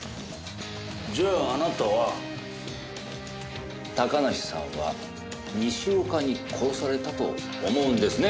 じゃああなたは高梨さんは西岡に殺されたと思うんですね？